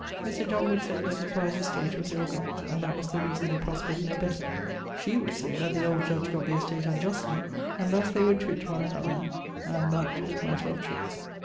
Mr. John would say that his wive's estate was ill gott, and that was the reason they prospered no better; she would say that the old judge gott the estate unjustly, and thus they would twitt one another, and that with matter of trueth.